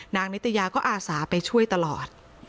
นิตยาก็อาสาไปช่วยตลอด